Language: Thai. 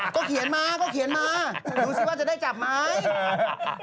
ก็เขียนมาดูสิว่าจะได้จับไหม